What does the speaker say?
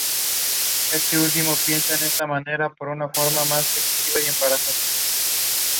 Rana Ismayilova currently lives in Germany.